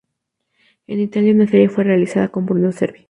En Italia, una serie fue realizada con Bruno Cervi.